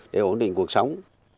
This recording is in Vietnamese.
để ổn định cuộc sống